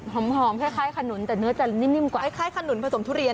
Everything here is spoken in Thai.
หอมหอมคล้ายคล้ายขนุนแต่เนื้อจะนิ่มนิ่มกว่าคล้ายคล้ายขนุนผสมทุเรียน